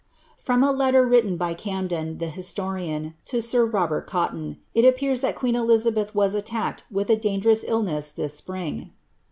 ' From a letter wriUen by Camden, the historian, to sir Robert Cotton, it appears that queen Elizabeth was attacked with a dangerous illness this spring.